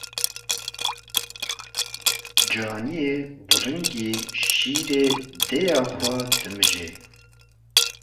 Caniyê viringî şîrê dêya xwe dimije.